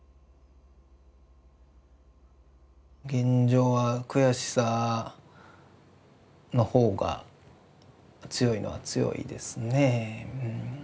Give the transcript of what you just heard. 現状は悔しさの方が強いのは強いですね。